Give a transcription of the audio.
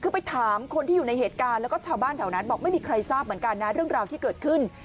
คือไปถามคนที่อยู่ในเหตุการณ์แล้วก็ชาวบ้านแถวนั้นบอกไม่มีใครทราบเหมือนกันนะเรื่องราวที่เกิดขึ้น